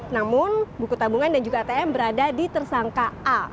namun buku tabungan dan juga atm berada di tersangka a